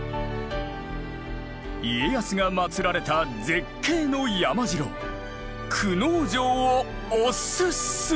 家康が祀られた絶景の山城久能城をおすすめ！